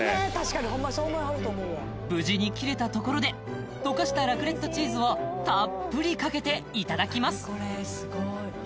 無事に切れたところでとかしたラクレットチーズをたっぷりかけていただきます